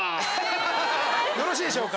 よろしいでしょうか？